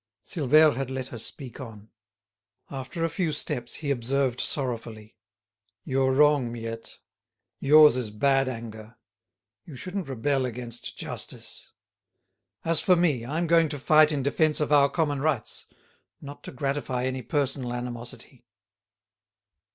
Silvère had let her speak on. After a few steps he observed sorrowfully: "You are wrong, Miette; yours is bad anger. You shouldn't rebel against justice. As for me, I'm going to fight in defence of our common rights, not to gratify any personal animosity."